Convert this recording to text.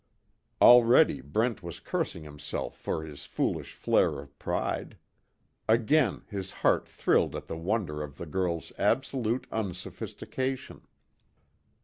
Already Brent was cursing himself for his foolish flare of pride. Again his heart thrilled at the wonder of the girl's absolute unsophistication.